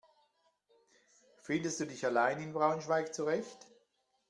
Findest du dich allein in Braunschweig zurecht?